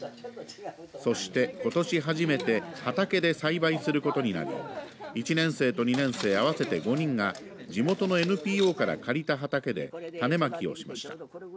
そして、ことし初めて畑で栽培することになり１年生と２年生合わせて５人が地元のＮＰＯから借りた畑で種まきをしました。